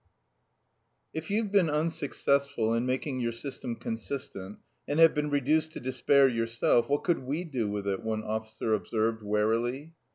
"If you've been unsuccessful in making your system consistent, and have been reduced to despair yourself, what could we do with it?" one officer observed warily.